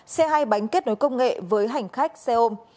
xe hai bánh kết nối công nghệ với hành khách xe ôm